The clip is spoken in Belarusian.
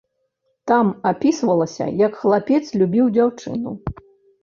Там апісвалася, як хлапец любіў дзяўчыну.